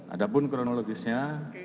ada pun kronologisnya